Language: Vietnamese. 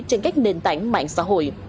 trên các nền tảng mạng xã hội